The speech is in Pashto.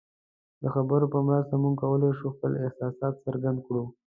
د خبرو په مرسته موږ کولی شو خپل احساسات څرګند کړو.